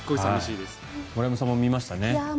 森山さんも見ましたね。